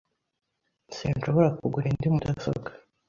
Sinshobora kugura indi mudasobwa .